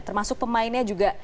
termasuk pemainnya juga